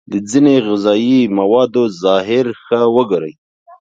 د ځینو غذايي موادو ظاهر ښه وگورئ.